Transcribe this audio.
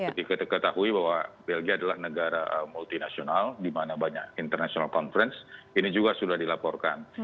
ketika kita ketahui bahwa belgia adalah negara multinasional di mana banyak international conference ini juga sudah dilaporkan